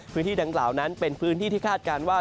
พื้นที่ดังกล่าวนั้นเป็นพื้นที่ที่คาดการณ์ว่า